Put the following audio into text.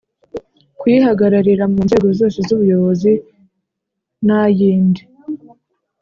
Kuyihagararira mu nzego zose z ubuyobozi n ayindi